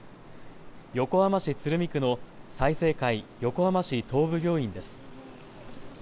横浜市鶴見区の済生会横浜市東部病院です。